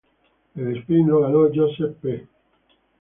El sprint lo ganó Joseph Pe.